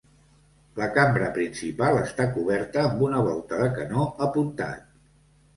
La cambra principal està coberta amb una volta de canó apuntat.